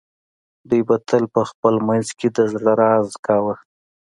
دوی به تل په خپل منځ کې د زړه راز کاوه